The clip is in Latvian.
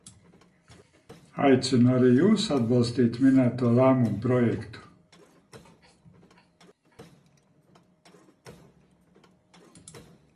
Aicinu arī jūs atbalstīt minēto lēmuma projektu.